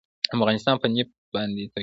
افغانستان په نفت باندې تکیه لري.